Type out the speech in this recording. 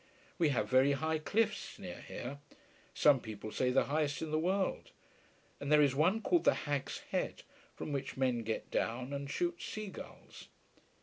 We have very high cliffs near here, some people say the highest in the world, and there is one called the Hag's Head from which men get down and shoot sea gulls.